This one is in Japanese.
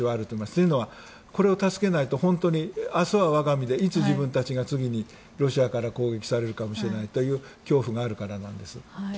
というのは、これを助けないと明日は我が身でいつ自分たちがロシアから攻撃されるかもしれないという恐怖があるからなんです。